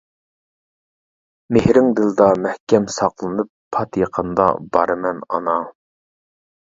مېھرىڭ دىلدا مەھكەم ساقلىنىپ، پات يېقىندا بارىمەن ئانا.